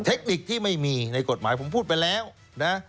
เทคนิคที่ไม่มีในกฎหมายผมพูดไปแล้วนะ